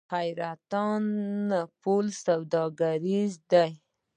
حیرتان پل سوداګریز دی؟